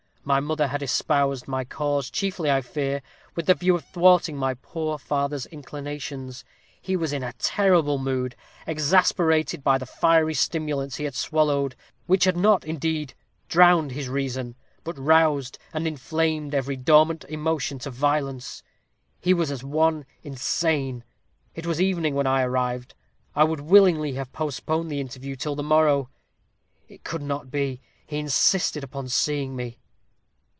My mother had espoused my cause, chiefly, I fear, with the view of thwarting my poor father's inclinations. He was in a terrible mood, exasperated by the fiery stimulants he had swallowed, which had not indeed, drowned his reason, but roused and inflamed every dormant emotion to violence. He was as one insane. It was evening when I arrived. I would willingly have postponed the interview till the morrow. It could not be. He insisted upon seeing me.